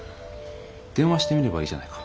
電話してみればいいじゃないか。